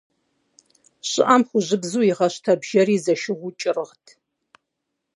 ЩӀыӀэм хужьыбзэу игъэщта бжэри зэшыгъуэу кӀыргъырт.